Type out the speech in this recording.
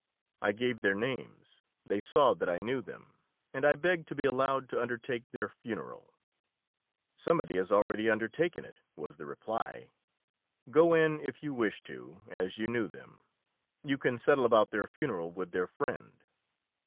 I gave their names; they saw that I knew them, and I begged to be allowed to undertake their funeral. "Somebody has already undertaken it," was the reply. "Go in if you wish to, as you knew them. You can settle about their funeral with their friend."